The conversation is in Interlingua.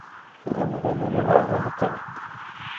Illo me rememorava de te.